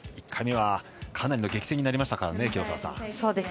１回目はかなりの激戦になりましたからね。